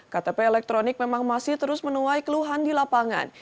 ktp elektronik memang masih terus menuai keluhan di lapangan